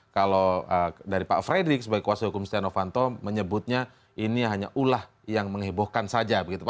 kalau dari pak frederick sebagai kuasa hukum stenovanto menyebutnya ini hanya ulah yang menghiburkan saja